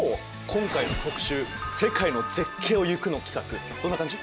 今回の特集「世界の絶景をゆく」の企画どんな感じ？